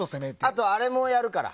あと、あれもやるから。